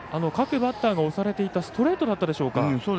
各バッターが押されていたストレートだったでしょうか。